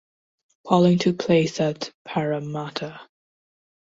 Polling took place at Parramatta.